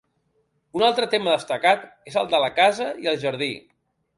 Un altre tema destacat és el de la casa i el jardí.